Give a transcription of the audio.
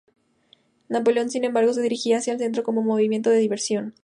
Napoleón, sin embargo, se dirigía hacia el centro como movimiento de diversión.